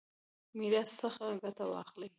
میراث څخه ګټه واخلي.